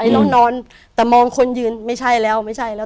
เรานอนแต่มองคนยืนไม่ใช่แล้วไม่ใช่แล้ว